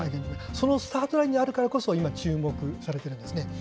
そのスタートラインにあるからこそ、今注目されているんですね。